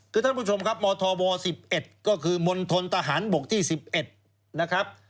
คือท่านผู้ชมครับมธบ๑๑ก็คือมณฑนทหารบกที่๑๑นะครับ